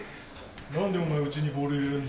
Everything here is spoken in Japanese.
何でお前家にボール入れるんだ？